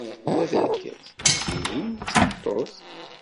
Wa d argaz, tihin d tameṭṭut.